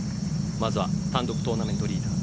まずは単独トーナメントリーダー